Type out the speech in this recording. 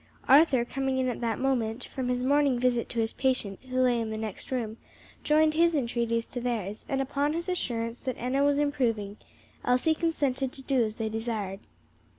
Arthur, coming in at that moment, from his morning visit to his patient, who lay in the next room, joined his entreaties to theirs, and upon his assurance that Enna was improving, Elsie consented to do as they desired.